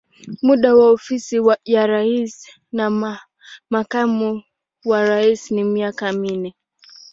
Muda wa ofisi ya rais na makamu wa rais ni miaka minne.